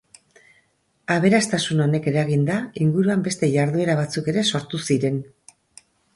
Aberastasun honek eraginda, inguruan beste jarduera batzuk ere sortu ziren.